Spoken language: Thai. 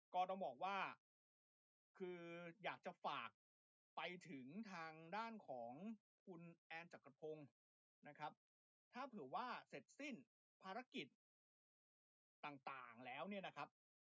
ก็ต้องบอกว่าคืออยากจะฝากไปถึงทางด้านของคุณแอนจักรพงศ์นะครับถ้าเผื่อว่าเสร็จสิ้นภารกิจต่างแล้วเนี่ยนะครับ